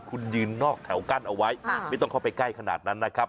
คุณยืนนอกแถวกั้นเอาไว้ไม่ต้องเข้าไปใกล้ขนาดนั้นนะครับ